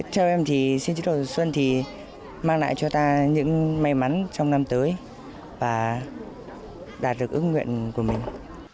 theo em thì xin chích đầu xuân thì mang lại cho ta những may mắn trong năm tới và đạt được ước nguyện của mình